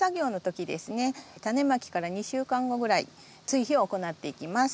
タネまきから２週間後ぐらい追肥を行っていきます。